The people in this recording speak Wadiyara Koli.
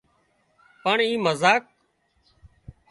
پڻ اي مزاق